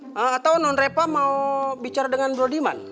eee atau non reva mau bicara dengan brodyman